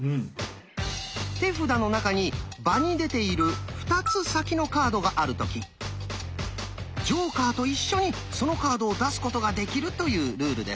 手札の中に場に出ている２つ先のカードがある時ジョーカーと一緒にそのカードを出すことができるというルールです。